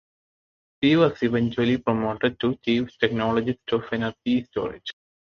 She was eventually promoted to Chief Technologist of Energy Storage.